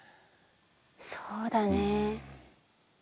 そうだね。